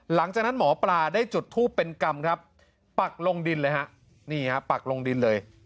หลังจากนั้นหมอปลาได้จุดทูปเป็นกรรมปักลงดินเลย